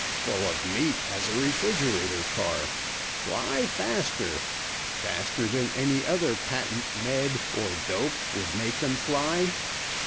Full of meat as a refrigerator car. 'Fly faster!' Faster than any other patent med. or dope would make them fly.